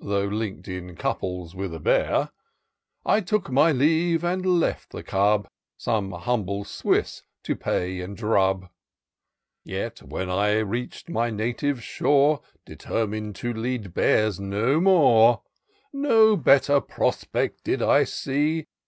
Though link'd in couples with a bear,) I took my leave and left the cub, Some humble Swiss to pay and drub : Yet, when I reach'd my native shore, Determin'd to lead bears no more, No better prospect did I see.